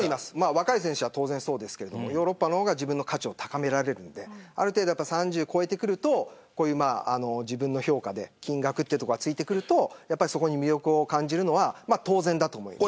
若い選手は、ヨーロッパの方が自分の価値を高められるのである程度３０を超えてきて自分の評価で金額がついてくるとそこに魅力を感じるのは当然だと思います。